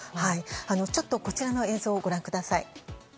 ちょっとこちらの映像をご覧ください。